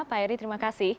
pak heri terima kasih